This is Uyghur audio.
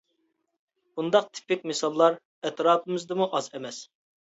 بۇنداق تىپىك مىساللار ئەتراپىمىزدىمۇ ئاز ئەمەس.